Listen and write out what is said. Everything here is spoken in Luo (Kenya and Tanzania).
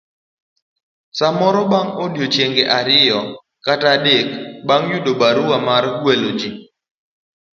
samoro bang' odiechienge ariyo kata adek bang' yudo barua mar gwelo ji.